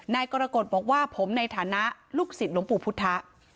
กรกฎบอกว่าผมในฐานะลูกศิษย์หลวงปู่พุทธ